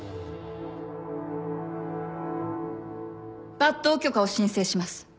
抜刀許可を申請します。